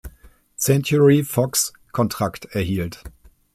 Century Fox Kontrakt erhielt.